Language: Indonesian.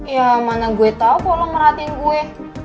ya mana gue tau kok lo merhatiin gue